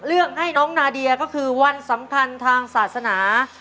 เลือกให้น้องนาเดียก็คือวันสำคัญทางศาสนา